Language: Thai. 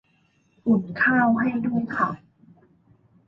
อุ่นข้าวให้ด้วยค่ะ